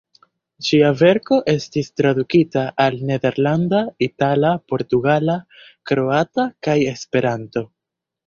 Ŝia verko estis tradukita al nederlanda, itala, portugala, kroata kaj Esperanto.